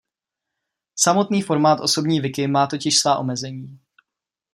Samotný formát osobní wiki má totiž svá omezení.